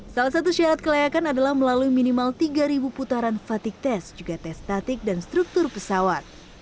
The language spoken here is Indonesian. salah satu syarat kelayakan adalah melalui minimal tiga putaran fatigue test juga tes statik dan struktur pesawat